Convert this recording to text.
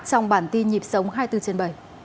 trong bản tin nhịp sống hai mươi bốn trên bảy